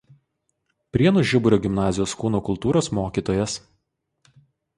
Prienų Žiburio gimnazijos kūno kultūros mokytojas.